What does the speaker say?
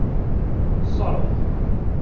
紲落去